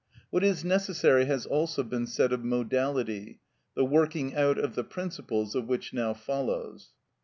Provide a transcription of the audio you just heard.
What is necessary has also been said of modality, the working out of the principles of which now follows.